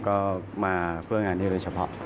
ก็มาเพื่องานนี้โดยเฉพาะ